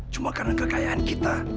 cuma karena kekayaan kita